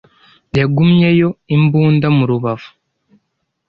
yagumyeyo imbunda mu rubavu